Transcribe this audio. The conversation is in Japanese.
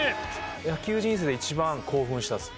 野球人生で一番興奮したんですよ。